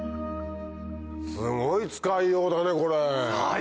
すごい使いようだねこれ！